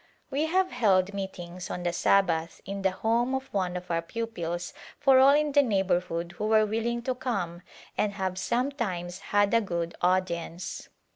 We have held meetings on the Sabbath in the home of one of our pupils for all in the neighborhood who were willing to come and have sometimes had a good audience.